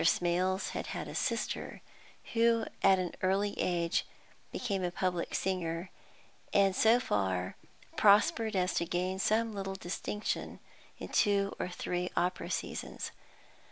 Smales had had a sister, who at an early age became a public singer, and so far prospered as to gain some little distinction in two or three opera seasons.